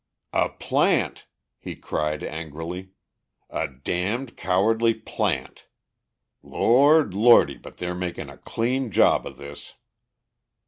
"A plant!" he cried angrily. "A damned cowardly plant! Lord, Lordy, but they're making a clean job of this!"